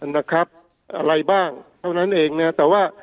นะครับอะไรบ้างเท่านั้นเองเนี่ยแต่ว่า